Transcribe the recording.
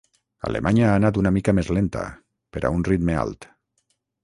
Alemanya ha anat una mica més lenta, per a un ritme alt.